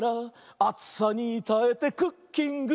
「あつさにたえてクッキング」